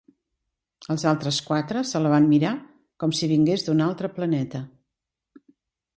Els altres quatre se la van mirar com si vingués d'un altre planeta.